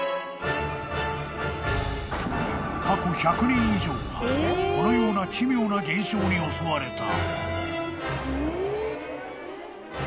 ［過去１００人以上がこのような奇妙な現象に襲われた］